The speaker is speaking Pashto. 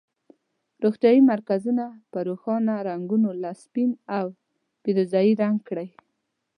روغتیایي مرکزونه په روښانه رنګونو لکه سپین او پیروزه یي رنګ کړئ.